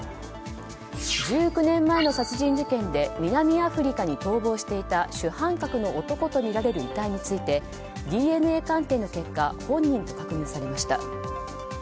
１９年前の殺人事件で南アフリカに逃亡していた主犯格の男とみられる遺体についてＤＮＡ鑑定の結果本人と確認されました。